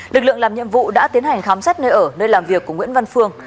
lực lượng làm nhiệm vụ đã tiến hành khám xét nơi ở nơi làm việc của nguyễn văn phương